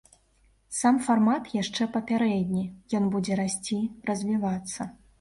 Сам фармат яшчэ папярэдні, ён будзе расці, развівацца.